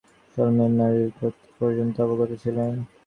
পাড়ার সকল মেয়ের নাড়ীনক্ষত্র পর্যন্ত অবগত ছিলেন।